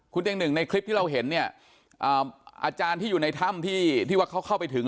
คุณเตียงหนึ่งในคลิปที่เราเห็นเนี่ยอาจารย์ที่อยู่ในถ้ำที่ว่าเขาเข้าไปถึง